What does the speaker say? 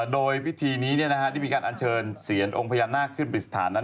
โดยวิธีนี้ที่มีการอัญเชิญเสียงองค์พยานหน้าขึ้นบริษฐานนั้น